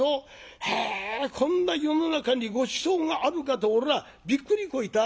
へえこんな世の中にごちそうがあるかとおらびっくりこいた。